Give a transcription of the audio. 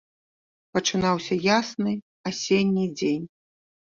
Пачынаўся ясны асенні дзень.